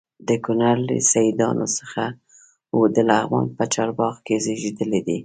د کونړ له سیدانو څخه و د لغمان په چارباغ کې زیږېدلی دی.